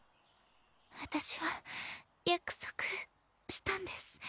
私は約束したんです。